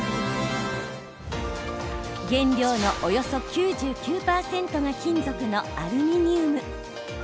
原料のおよそ９９％が金属のアルミニウム。